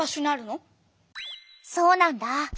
そうなんだ。